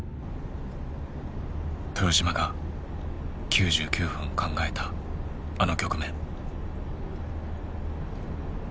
豊島が９９分考えたあの局面。